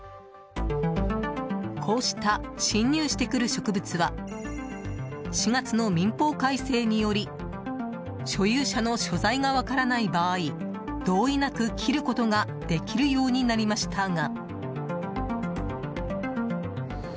こうした侵入してくる植物は４月の民法改正により所有者の所在が分からない場合同意なく切ることができるようになりましたが。